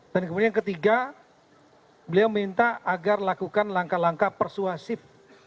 dan kemudian yang ketiga beliau minta agar lakukan langkah langkah persuasif